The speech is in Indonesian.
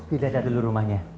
tidadah dulu rumahnya